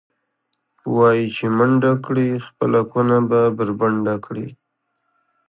وایي چې منډه کړې، نو خپله کونه به بربنډه کړې.